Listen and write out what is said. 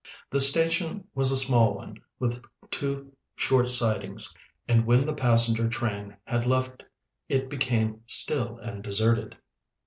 The station was a small one, with two short sidings, and when the passenger train had left it became still and deserted.